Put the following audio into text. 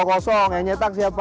tiga dua yang nyetak siapa